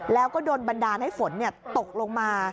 แล้วก็โดนบันดาลให้ฝนตกลงมา